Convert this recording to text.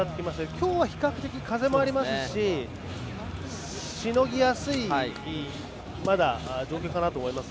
今日は比較的、風もありますしまだ、しのぎやすい状況かなと思います。